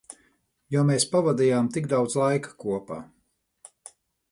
Jo mēs pavadījām tik daudz laika kopā.